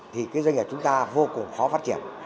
thì cái doanh nghiệp chúng ta vô cùng khó phát triển